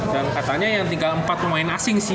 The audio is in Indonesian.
dan katanya yang tinggal empat pemain asing sih